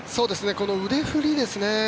この腕振りですね。